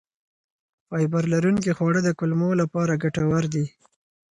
فایبر لرونکي خواړه د کولمو لپاره ګټور دي.